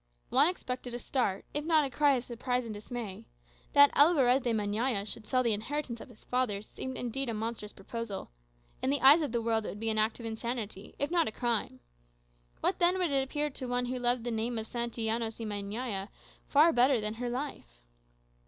Juan expected a start, if not a cry of surprise and dismay. That Alvarez de Meñaya should sell the inheritance of his fathers seemed indeed a monstrous proposal. In the eyes of the world it would be an act of insanity, if not a crime. What then would it appear to one who loved the name of Santillanos y Meñaya far better than her life?